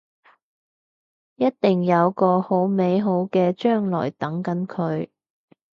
一定有個好美好嘅將來等緊佢